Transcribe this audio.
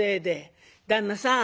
「旦那さん